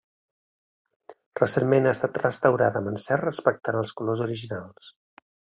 Recentment ha estat restaurada amb encert respectant els colors originals.